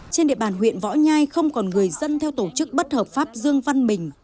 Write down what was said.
trên địa bàn huyện võ nhai